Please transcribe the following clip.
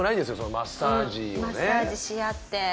マッサージし合って。